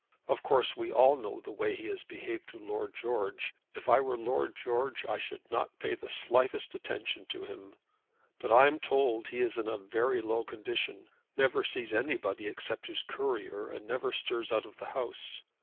Of course we all know the way he has behaved to Lord George. If I were Lord George I should not pay the slightest attention to him. But I'm told he is in a very low condition, never sees anybody except his courier, and never stirs out of the house.